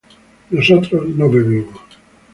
nosotros no bebimos